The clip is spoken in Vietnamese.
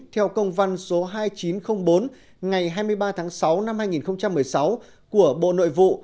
theo công văn số hai nghìn chín trăm linh bốn ngày hai mươi ba tháng sáu năm hai nghìn một mươi sáu của bộ nội vụ